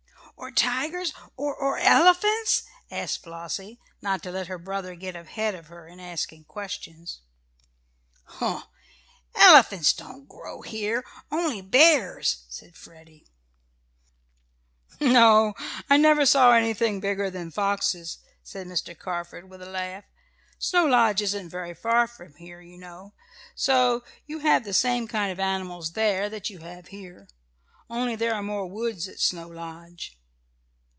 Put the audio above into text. "Or tigers or or elephants?" asked Flossie, not to let her brother get ahead of her in asking questions. "Huh! Elephants don't grow here only bears," said Freddie. "No, I never saw anything bigger than foxes," said Mr. Carford with a laugh. "Snow Lodge isn't very far from here, you know, so you have the same kind of animals there that you have here. Only there are more woods at Snow Lodge.